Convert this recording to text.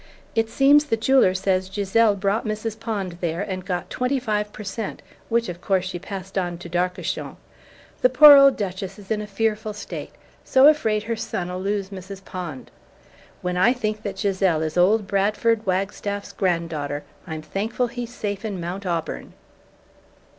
It seems the jeweller says Gisele brought Mrs. Pond there, and got twenty five per cent which of course she passed on to d'Arcachon. The poor old Duchess is in a fearful state so afraid her son'll lose Mrs. Pond! When I think that Gisele is old Bradford Wagstaff's grand daughter, I'm thankful he's safe in Mount Auburn!"